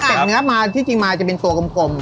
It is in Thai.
เป็ดเนื้อที่จริงมาจะเป็นตัวกลมนะครับ